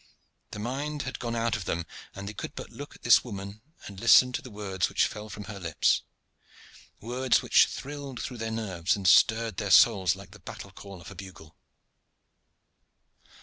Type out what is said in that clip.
The mind had gone out of them, and they could but look at this woman and listen to the words which fell from her lips words which thrilled through their nerves and stirred their souls like the battle call of a bugle.